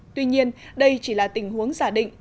tuy nhiên đây chỉ là tình huống giả định